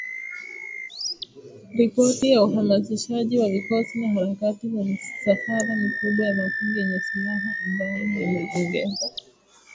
ripoti ya uhamasishaji wa vikosi na harakati za misafara mikubwa ya makundi yenye silaha ambayo yameongeza